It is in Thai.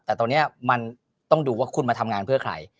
แต่ตอนนี้มันต้องดูว่าคุณมาทำงานเพื่อใคร